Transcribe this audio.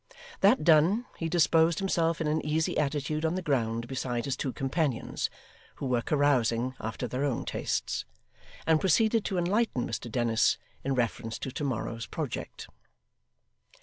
That done, he disposed himself in an easy attitude on the ground beside his two companions (who were carousing after their own tastes), and proceeded to enlighten Mr Dennis in reference to to morrow's project.